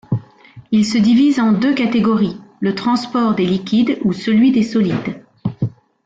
Ils se divisent en deux catégories, le transport des liquides ou celui des solides.